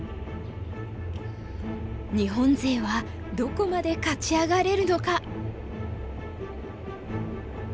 日本勢はどこまで勝ち上がれるのか。